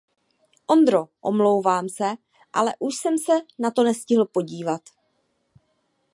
Ondro, omlouvám se, ale už jsem se na to nestihl podívat.